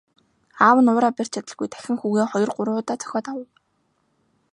Аав нь уураа барьж чадалгүй дахин хүүгээ хоёр гурван удаа цохиод авав.